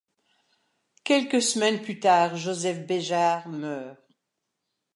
Quelques semaines plus tard, Joseph Béjart meurt.